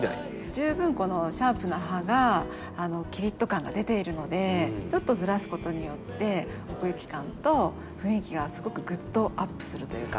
十分このシャープな葉がキリッと感が出ているのでちょっとずらすことによって奥行き感と雰囲気がすごくぐっとアップするというか。